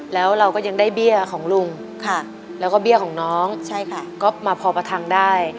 แล้วเราก็ยังได้เบี้ยของลุงแล้วก็เบี้ยของน้องก็มาพอประทังได้